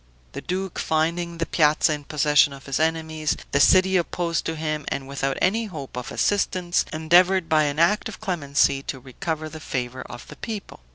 The duke, finding the piazza in possession of his enemies, the city opposed to him, and without any hope of assistance, endeavored by an act of clemency to recover the favor of the people.